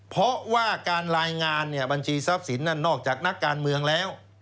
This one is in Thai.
เพราะว่าการรายงานเนี่ยบัญชีทรัพย์สินนั้นนอกจากนักการเมืองแล้ว